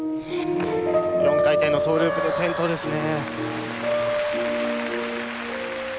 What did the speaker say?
４回転のトーループで転倒ですね。